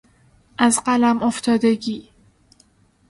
از فلم افتادگی